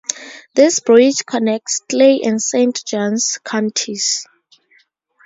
This bridge connects Clay and Saint Johns Counties.